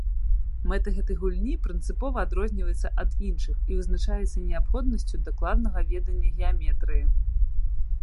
Мэта гэтай гульні прынцыпова адрозніваецца ад іншых і вызначаецца неабходнасцю дакладнага ведання геаметрыі.